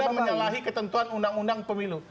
bahwa anda menyalahi ketentuan undang undang pemilu